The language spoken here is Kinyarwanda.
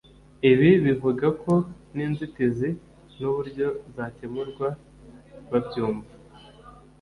ibi bivuga ko n’inzitizi n’uburyo zakemurwa babyumva